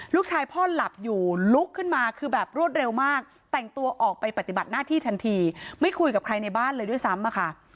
ลูกชายพ่อหลับอยู่ลุกขึ้นมาคือแบบรวดเร็วมากแต่งตัวออกไปปฏิบัติหน้าที่ทันทีไม่คุยกับใครในบ้านเลยด้วยซ้ำอะค่ะ